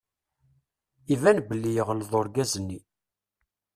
Iban belli yeɣleḍ urgaz-nni.